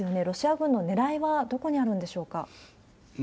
ロシア軍のねらいはどこにあるんでしょうか？